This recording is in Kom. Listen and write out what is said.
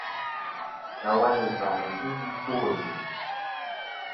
Nawayn ɨ̀lvɨ-a nɨn yɨ wi ɨfwo ɨjɨ̀m.